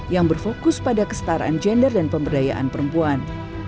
yang berfokus pada kestaraan gender dan pemberdayaan perempuan